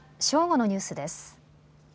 正午のニュースです。